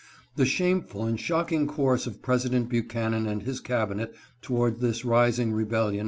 The shameful and shocking course of President Bu chanan and his cabinet towards this rising rebellion THE SOUTHERN PRESS.